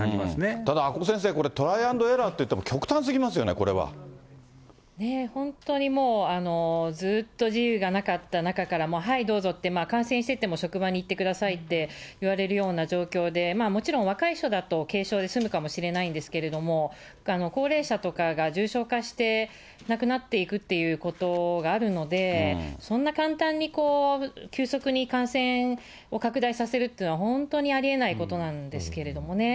ただ阿古先生、これ、トライ＆エラーっていっても、極端すぎ本当にもう、ずっと自由がなかった中から、はいどうぞって、感染してても職場に行ってくださいって言われるような状況で、もちろん若い人だと軽症で済むかもしれないんですけれども、高齢者とかが重症化して、亡くなっていくっていうことがあるので、そんな簡単に急速に感染を拡大させるっていうのは、本当にありえないことなんですけれどもね。